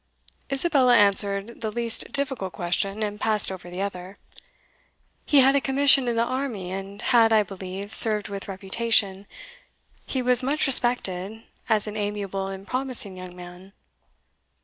Isabella answered the least difficult question, and passed over the other "He had a commission in the army, and had, I believe, served with reputation; he was much respected, as an amiable and promising young man."